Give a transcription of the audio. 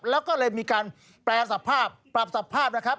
แล้วก็เลยมีการแปรสภาพปรับสภาพนะครับ